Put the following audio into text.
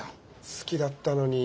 好きだったのに。